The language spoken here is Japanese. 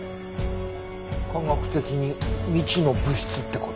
科学的に未知の物質って事？